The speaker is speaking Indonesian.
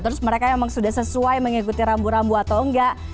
terus mereka memang sudah sesuai mengikuti rambu rambu atau enggak